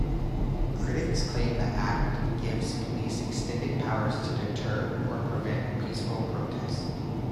Critics claim the Act gives police extended powers to deter or prevent peaceful protest.